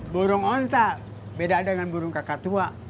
burung onta beda dengan burung kakak tua